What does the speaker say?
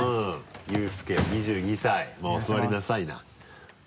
祐奨２２歳まぁお座りなさいな。